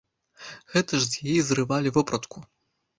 Гэта ж з яе зрывалі вопратку.